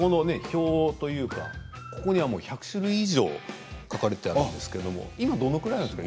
ここの表には１００種類以上書かれているんですけど今どのくらいあるんですか？